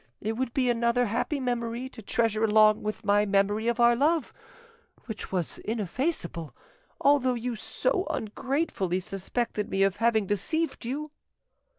It would be another happy memory to treasure along with my memory of our love, which was ineffaceable, although you so ungratefully suspected me of having deceived you."